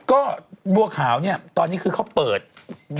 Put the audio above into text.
ก็บัวขาวน่ะตอนนี้เขาเปิดใจมวย